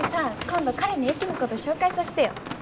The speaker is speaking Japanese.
今度彼に雪のこと紹介させてよ。